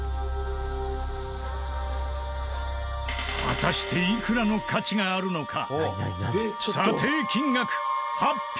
果たしていくらの価値があるのか？